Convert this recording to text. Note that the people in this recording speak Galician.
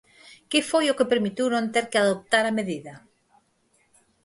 ¿Que foi o que permitiu non ter que adoptar a medida?